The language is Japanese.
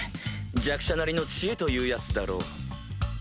弱者なりの知恵というやつだろう。